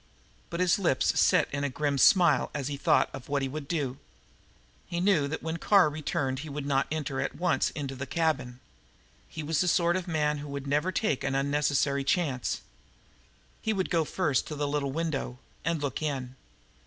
But his lips set in a grim smile as he thought of what he WOULD do. He knew that when Carr returned he would not enter at once into the cabin. He was the sort of man who would never take an unnecessary chance. He would go first to the little window and look in.